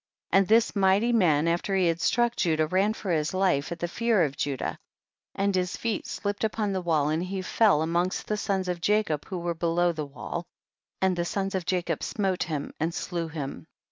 39. And this mighty man after he had struck Judah ran for his life, at the fear of Judah, and his feet slip ped upon the wall and he fell amongst the sons of Jacob ivho loere below the wall, and the sons of Jacob smote him and slew him.